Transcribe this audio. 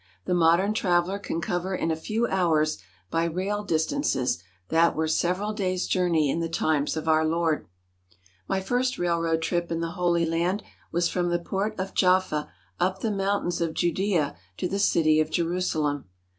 The modern traveller can cover in a few hours by rail distances that were several days' journey in the times of our Lord. My first railroad trip in the Holy Land was from the port of Jaffa up the mountains of Judea to the city of Jerusalem.